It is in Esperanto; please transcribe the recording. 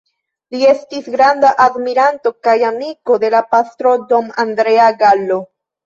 Li estis granda admiranto kaj amiko de la pastro Don Andrea Gallo.